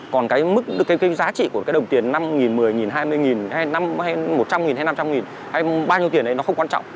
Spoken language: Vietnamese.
còn cái giá trị của cái đồng tiền năm một mươi hai mươi một trăm linh hay năm trăm linh hay bao nhiêu tiền đấy nó không quan trọng